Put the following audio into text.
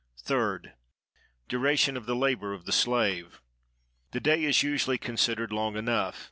3d. "The duration of the labor of the slave."—The day is usually considered long enough.